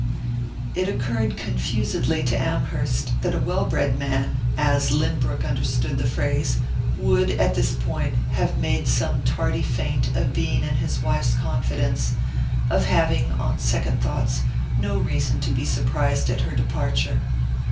It occurred confusedly to Amherst that a well bred man as Lynbrook understood the phrase would, at this point, have made some tardy feint of being in his wife's confidence, of having, on second thoughts, no reason to be surprised at her departure.